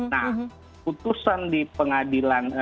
nah putusan di pengadilan